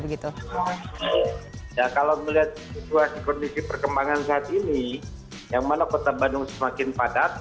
kalau melihat situasi kondisi perkembangan saat ini yang mana kota bandung semakin padat